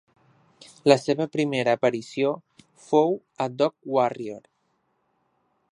La seva primera aparició fou a "Dog Warrior".